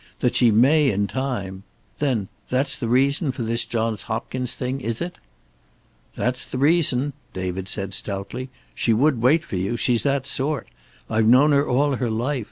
That she may, in time Then, that's the reason for this Johns Hopkins thing, is it?" "That's the reason," David said stoutly. "She would wait for you. She's that sort. I've known her all her life.